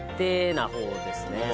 なほうですね。